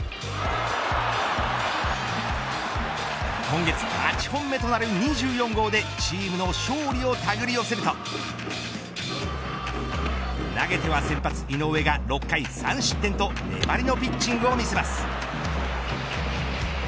今月８本目となる２４号でチームの勝利をたぐり寄せると投げては先発、井上が６回３失点と粘りのピッチングを見せます。